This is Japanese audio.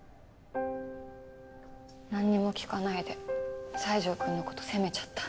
なんにも聞かないで西条くんの事責めちゃった。